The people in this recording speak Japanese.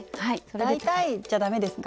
大体じゃダメですか？